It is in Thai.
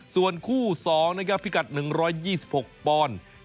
ส่วนคู่๒นะครับพิกัด๑๒๖ปอนด์